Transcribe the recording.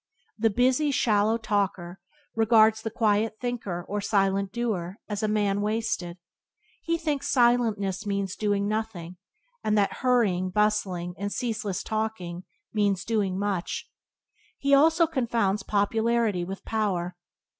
The busy, shallow talker regards the quiet thinker or silent doer as a man wasted; he thinks silentness means "doing nothing, and that hurrying, bustling, and ceaseless talking means "doing much." He also confounds popularity with power.